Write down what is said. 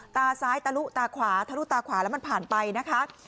ตาซ้ายตะลุตาขวาทะลุตาขวาแล้วมันผ่านไปนะคะ